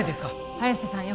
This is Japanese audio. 早瀬さんよ